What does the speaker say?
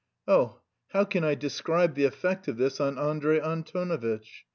Oh, how can I describe the effect of this on Andrey Antonovitch!